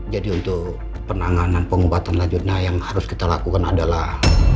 jadi untuk penanganan pengobatan lajunah yang harus kita lakukan adalah